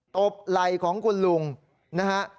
ตบไหล่ของคุณลุงนะฮะ